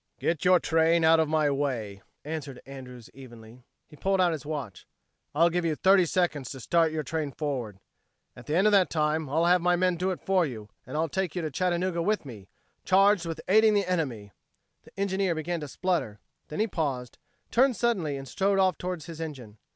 "Get your train out of my way," answered, Andrews evenly. He pulled out his watch. "I'll give you thirty seconds to start your train forward. At the end of that time I'll have my men do it for you, and I'll take you to Chattanooga with me charged with aiding the enemy!" The engineer began to splutter; then he paused, turned suddenly and strode off toward his engine.